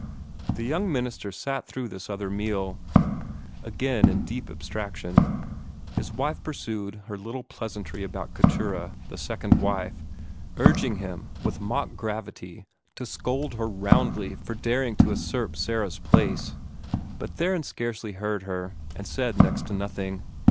The young minister sat through this other meal, again in deep abstraction. His wife pursued her little pleasantry about Keturah, the second wife, urging him with mock gravity to scold her roundly for daring to usurp Sarah's place, but Theron scarcely heard her, and said next to nothing.